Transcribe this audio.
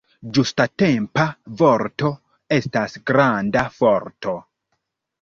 Ĝustatempa vorto estas granda forto.